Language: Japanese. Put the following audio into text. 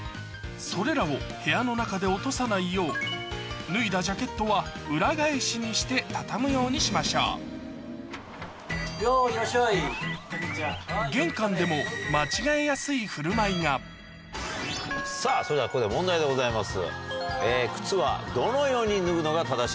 それらを部屋の中で落とさないよう脱いだジャケットは裏返しにして畳むようにしましょう玄関でもさぁそれではここで問題でございます。